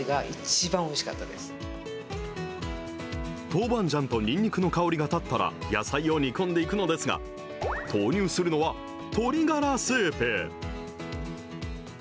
トウバンジャンとにんにくの香りが立ったら、野菜を煮込んでいくのですが、投入するのは鶏ガラスープ。